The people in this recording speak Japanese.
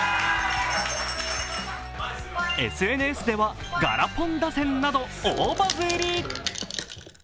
ＳＮＳではガラポン打線など大バズリ。